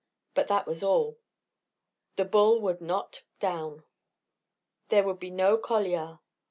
But that was all. The bull would not down! There would be no coliar!